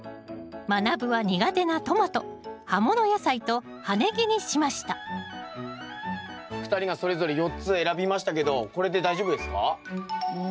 まなぶは苦手なトマト葉物野菜と葉ネギにしました２人がそれぞれ４つ選びましたけどこれで大丈夫ですか？